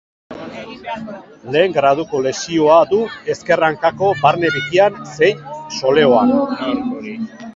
Lehen graduko lesioa du ezker hankako barne bikian zein soleoan.